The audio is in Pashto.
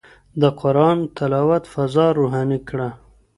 د قرآن تلاوت فضا روحاني کړه.